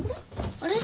あれ？